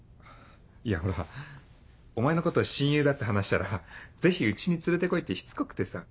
いやほらお前のこと親友だって話したらぜひ家に連れて来いってしつこくてさ。